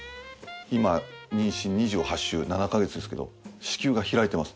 今妊娠２８週７か月ですけど子宮が開いてます